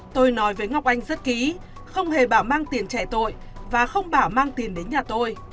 tôi nói với ngọc anh rất ký không hề bảo mang tiền chạy tội và không bảo mang tiền đến nhà tôi